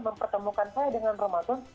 mempertemukan saya dengan ramadan